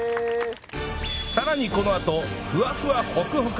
さらにこのあとふわふわホクホク！